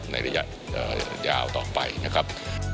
ในระยะยาวต่อไปนะครับ